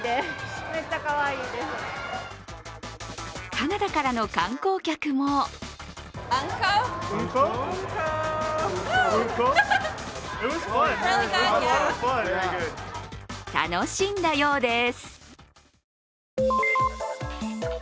カナダからの観光客も楽しんだようです。